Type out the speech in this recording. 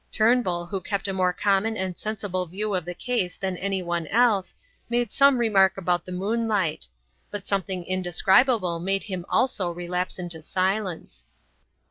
Turnbull, who kept a more common and sensible view of the case than anyone else, made some remark about the moonlight; but something indescribable made him also relapse into silence.